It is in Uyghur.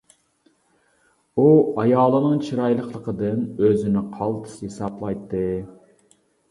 ئۇ ئايالىنىڭ چىرايلىقلىقىدىن ئۆزىنى قالتىس ھېسابلايتتى.